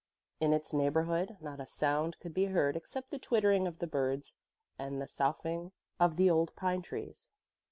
In its neighborhood not a sound could be heard except the twittering of the birds and the soughing of the old pine trees.